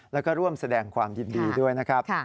แล้วก็ร่วมแสดงความยินดีด้วยนะครับ